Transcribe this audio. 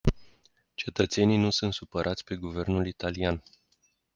Cetățenii nu sunt supărați pe guvernul italian.